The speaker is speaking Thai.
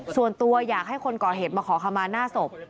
ส่วนตัวอยากให้คนก่อเหตุมาขอขมาหน้าศพ